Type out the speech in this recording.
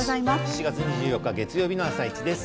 ７月２４日のあさイチです。